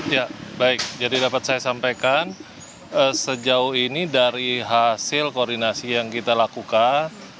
ya baik jadi dapat saya sampaikan sejauh ini dari hasil koordinasi yang kita lakukan